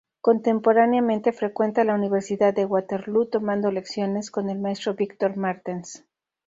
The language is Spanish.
Contemporáneamente frecuenta la Universidad de Waterloo tomando lecciones con el Maestro Victor Martens.